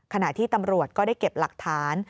ขณะที่ตำรวจก็ได้เก็บหลักฐาน